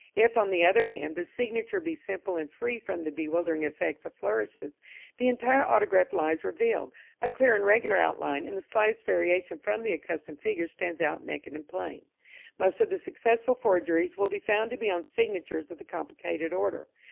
If, on the other hand, the signature be simple and free from the bewildering effects of flourishes, the entire autograph lies revealed, a clear and regular outline, and the slightest variation from the accustomed figure stands out naked and plain. Most of the successful forgeries will be found to be on signatures of the complicated order.